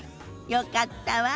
よかったわ。